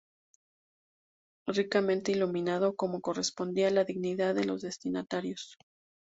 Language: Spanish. Ricamente iluminado, como correspondía a la dignidad de los destinatarios.